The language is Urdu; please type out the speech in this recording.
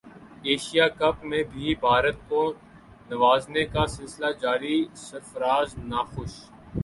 ایشیا کپ میں بھی بھارت کو نوازنے کا سلسلہ جاری سرفراز ناخوش